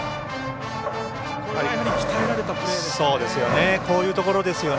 これは鍛えられたプレーですかね。